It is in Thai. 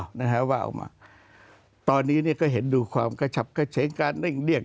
ว่าเอามาตอนนี้ก็เห็นดูความกระชับกระเฉงการเรียก